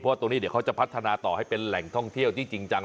ตรงนี้เดี๋ยวเขาจะพัฒนาต่อให้เป็นแหล่งท่องเที่ยวที่จริงจัง